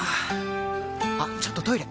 あっちょっとトイレ！